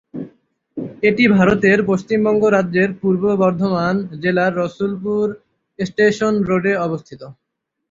এটি ভারতের পশ্চিমবঙ্গ রাজ্যের পূর্ব বর্ধমান জেলার রসুলপুর স্টেশন রোডে অবস্থিত।